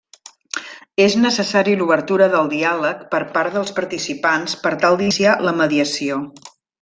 És necessari l'obertura del diàleg per part dels participants per tal d'iniciar la mediació.